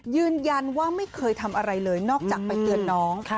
ยืนยันว่าไม่เคยทำอะไรเลยนอกจากไปเตือนน้อง